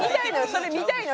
それ見たいの。